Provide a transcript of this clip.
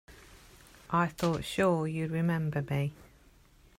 I thought sure you'd remember me.